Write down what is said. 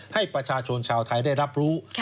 ให้ประชาชนชาวไทยได้รับรู้